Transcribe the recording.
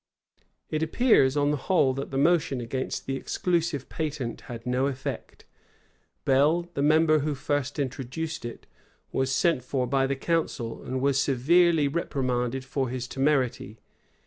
[]* D'Ewes, p. 168. D'Ewes, p. 175. It appears, on the whole, that the motion against the exclusive patent had no effect. Bell, the member who first introduced it, was sent for by the council, and was severely reprimanded for his temerity.